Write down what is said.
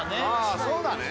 あそうだね